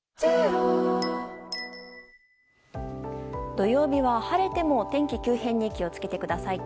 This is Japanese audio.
土曜日は晴れても、天気急変に気をつけてください。